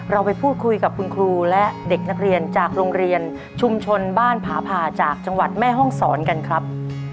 เราไปพูดคุยกับคุณครูและเด็กนักเรียนจากโรงเรียนชุมชนบ้านผาผ่าจากจังหวัดแม่ห้องศรกันครับ